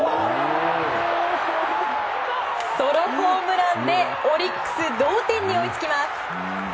ソロホームランでオリックス同点に追いつきます。